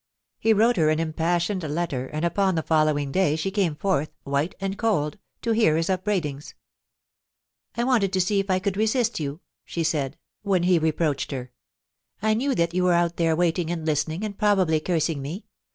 He wrote her an im passioned letter, and upon the following day she came forth , white and cold, to hear his upbraidings. I wanted to see if I could resist you,' she said, when he 270 POLICY AND PASSION, reproached her. * I knew that you were out there waiting and listening and probably cursing me.